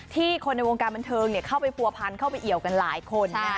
คนในวงการบันเทิงเข้าไปผัวพันเข้าไปเอี่ยวกันหลายคน